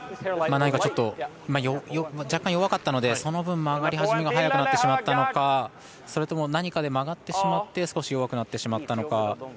ちょっと若干弱かったのでその分、曲がり始めが早くなってしまったのかそれとも何かで曲がってしまって少し弱くなってしまったのか。